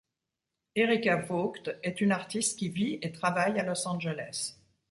Erika Vogt est une artiste qui vit et travaille à Los Angeles.